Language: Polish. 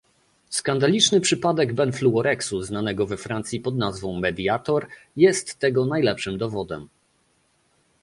Skandaliczny przypadek benfluoreksu znanego we Francji pod nazwą Mediator jest tego najlepszym dowodem